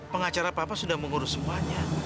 pengacara papa sudah mengurus semuanya